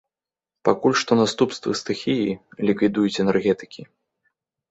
Пакуль што наступствы стыхіі ліквідуюць энергетыкі.